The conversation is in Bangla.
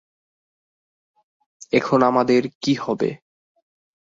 এখন আমাদের কী হবে।